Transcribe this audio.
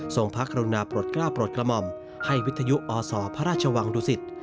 พระกรุณาปลดกล้าปลดกระหม่อมให้วิทยุอศพระราชวังดุสิต